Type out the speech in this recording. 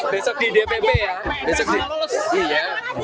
besok di dpp ya besok